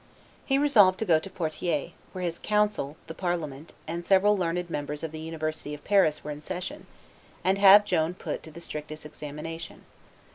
He resolved to go to Poitiers, where his council, the parliament, and several learned members of the University of Paris were in session, and have Joan put to the strictest examination.